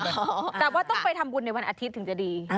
แต่ว่าต้องไปทำบุญในวันอาทิตย์ถึงจะดี